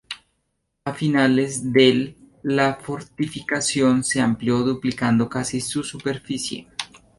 A finales del la fortificación se amplió, duplicando casi su superficie.